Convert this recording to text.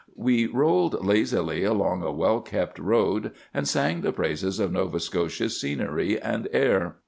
We rolled lazily along a well kept road, and sang the praises of Nova Scotia's scenery and air.